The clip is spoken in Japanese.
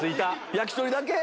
焼き鳥だけ？